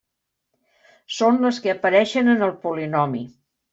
Són les que apareixen en el polinomi.